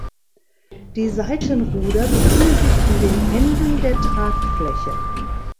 Die Seitenruder befinden sich an den Enden der Tragfläche.